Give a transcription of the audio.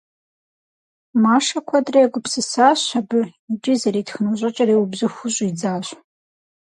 Машэ куэдрэ егупсысащ абы икӏи зэритхыну щӏыкӏэр иубзыхуу щӏидзащ.